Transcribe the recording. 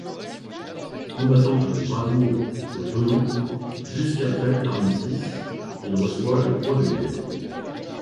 Combattant avec bravoure au Donon jusqu’après l’armistice, il reçoit la Croix de Guerre.